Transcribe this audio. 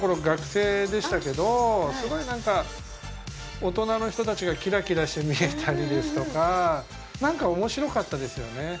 学生でしたけどすごい何か大人の人達がキラキラして見えたりですとか何か面白かったですよね